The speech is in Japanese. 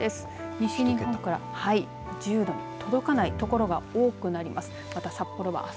西日本から１０度に届かない所が多くなります。